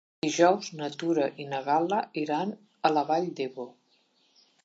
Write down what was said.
Dijous na Tura i na Gal·la iran a la Vall d'Ebo.